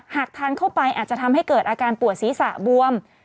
หากทานเข้าไปอาจจะทำให้เกิดอาการปวดศีรษะบวม